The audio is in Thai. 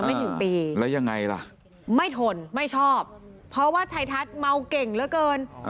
ไม่ถึงปีแล้วยังไงล่ะไม่ทนไม่ชอบเพราะว่าชัยทัศน์เมาเก่งเหลือเกิน